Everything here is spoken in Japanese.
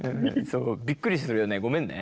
そうびっくりするよねごめんね。